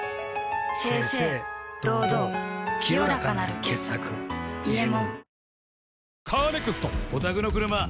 清々堂々清らかなる傑作「伊右衛門」